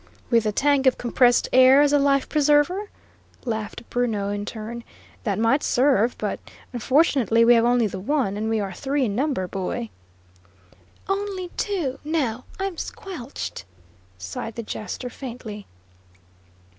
"With the tank of compressed air as a life preserver?" laughed Bruno, in turn. "That might serve, but; unfortunately, we have only the one, and we are three in number, boy." "Only two, now; I'm squelched!" sighed the jester, faintly.